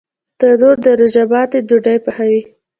تنور د روژه ماتي ډوډۍ پخوي